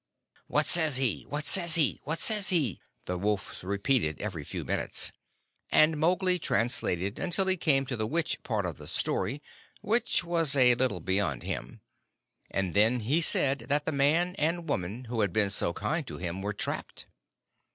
"What says he? What says he? What says he?" the wolves repeated every few minutes; and Mowgli translated until he came to the witch part of the story, which was a little beyond him, and then he said that the man and woman who had been so kind to him were trapped.